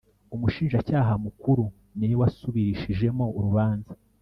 Umushinjacyaha mukuru niwe wasubirishijemo urubanza